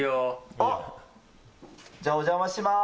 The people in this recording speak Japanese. おっ、じゃあお邪魔します。